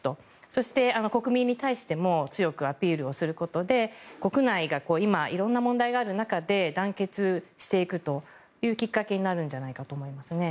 そして国民に対しても強くアピールをすることで国内が今、色んな問題がある中で団結していくというきっかけになるんじゃないかと思いますね。